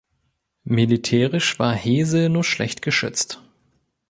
Militärisch war Hesel nur schlecht geschützt.